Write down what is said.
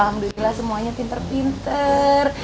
alhamdulillah semuanya pinter pinter